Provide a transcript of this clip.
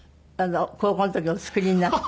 高校の時お作りになって。